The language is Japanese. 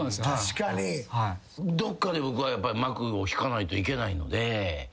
どっかで僕は幕を引かないといけないので。